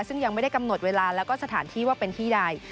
ซึ่งยังไม่ได้กำหนดเวลาแล้วก็สถานที่ว่าเป็นที่ใด